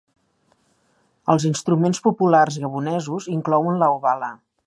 Els instruments populars gabonesos inclouen la Obala.